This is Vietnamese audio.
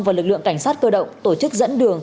và lực lượng cảnh sát cơ động tổ chức dẫn đường